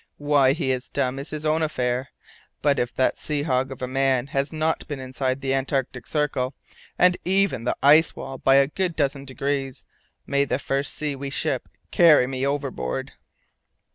Why he is dumb is his own affair. But if that sea hog of a man has not been inside the Antarctic Circle and even the ice wall by a good dozen degrees, may the first sea we ship carry me overboard."